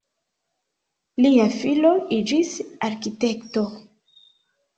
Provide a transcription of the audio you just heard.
Lia filo iĝis arkitekto.